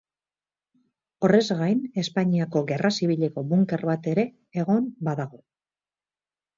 Horrez gain, Espainiako Gerra Zibileko bunker bat ere egon badago.